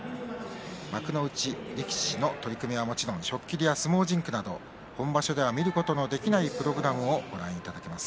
幕内力士の取組はもちろん初っ切りや相撲甚句など本場所では見ることのできないプログラムをご覧いただけます。